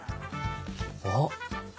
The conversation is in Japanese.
あっ。